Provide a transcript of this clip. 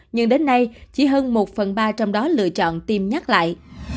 nhưng đến nay chỉ hơn một phần ba trong đó lựa chọn tiêm nhắc lại